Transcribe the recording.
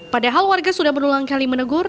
padahal warga sudah berulang kali menegur